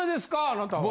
あなたは。